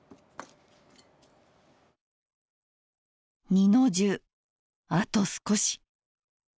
二の重あと少し！